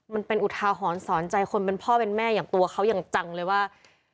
อุทาหรณ์สอนใจคนเป็นพ่อเป็นแม่อย่างตัวเขาอย่างจังเลยว่า